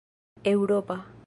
eŭropa